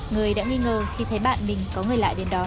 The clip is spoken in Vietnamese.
người đã nghi ngờ khi thấy bạn mình có người lạ đến đón